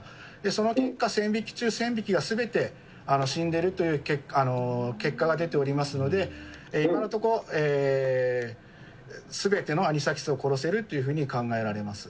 その結果、１０００匹中１０００匹がすべて死んでるという結果が出ておりますので、今のところ、すべてのアニサキスを殺せるというふうに考えられます。